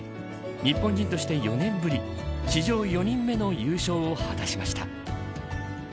日本人として４年ぶり史上４人目の優勝を果たしました。